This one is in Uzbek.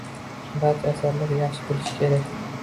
Barcha asarlar yaxshi bo’lishi kerak.